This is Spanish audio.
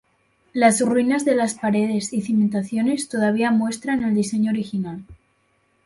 Las ruinas de las paredes y cimentaciones todavía muestran el diseño original.